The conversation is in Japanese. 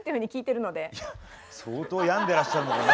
相当病んでらっしゃるのかな